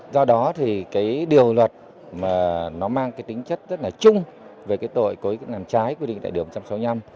do đó thì điều luật nó mang tính chất rất là chung về tội cố ý làm trái quy định tại đường một trăm sáu mươi năm